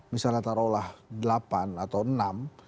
misalnya taruhlah delapan atau enam